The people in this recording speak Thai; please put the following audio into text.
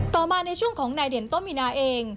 ต่อมาในช่วงของนายเดียนโต้มินะเอง